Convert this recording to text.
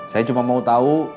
saya cuma mau tau